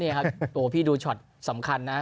นี่ครับโอ้พี่ดูช็อตสำคัญนะ